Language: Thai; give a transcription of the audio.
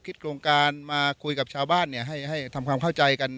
โครงการมาคุยกับชาวบ้านให้ทำความเข้าใจกัน